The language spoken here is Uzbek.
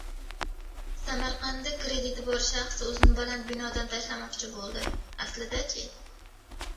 Samarqandda krediti bor shaxs o‘zini baland binodan tashlamoqchi bo‘ldi. Aslida-chi?